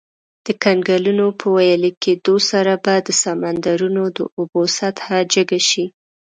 د کنګلونو په ویلي کیدو سره به د سمندرونو د اوبو سطحه جګه شي.